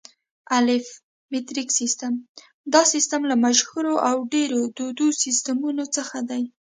الف: مټریک سیسټم: دا سیسټم له مشهورو او ډېرو دودو سیسټمونو څخه دی.